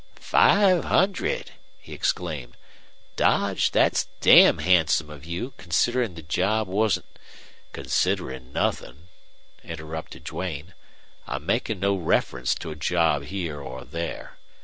"Five hundred!" he exclaimed. "Dodge, thet's damn handsome of you, considerin' the job wasn't " "Considerin' nothin'," interrupted Duane. "I'm makin' no reference to a job here or there.